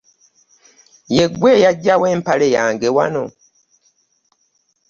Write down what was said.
Yegwe eyagyawo empale yange wano.